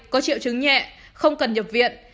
có triệu chứng nhẹ không cần nhập viện